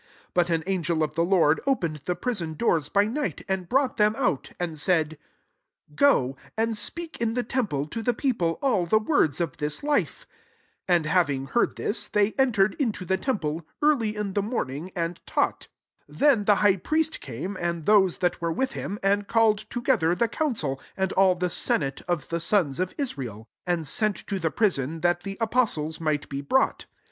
19 But an angel of the Lord open ed the prison doors by night, and brought them out, and said, 20 ^ Oo, stand and speak in the temple to the people all the words of this life." 21 And hav ing heard thia, they entered in to the temple^ early in the morn ing, and taught. Then the high priest came, and those that were with him, and called together the council, and all the senate of the sons of Israel ; and sent to the prison, that the afiffetiea might be brought.